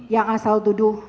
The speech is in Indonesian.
yang asal tuduh